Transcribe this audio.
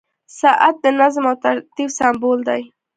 • ساعت د نظم او ترتیب سمبول دی.